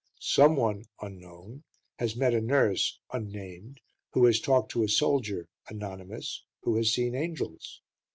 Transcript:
Someone (unknown) has met a nurse (unnamed) who has talked to a soldier (anonymous) who has seen angels.